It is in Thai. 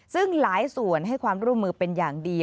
ซึ่งหลายส่วนให้ความร่วมมือเป็นอย่างดี